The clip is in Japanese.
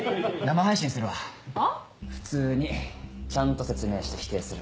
普通にちゃんと説明して否定する。